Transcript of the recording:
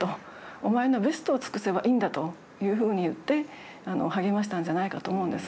お前のベストを尽くせばいいんだ」というふうに言って励ましたんじゃないかと思うんです。